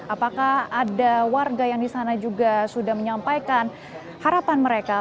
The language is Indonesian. apakah ada warga yang di sana juga sudah menyampaikan harapan mereka